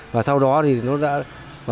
và sau đó thì nó đã